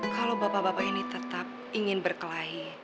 kalau bapak bapak ini tetap ingin berkelahi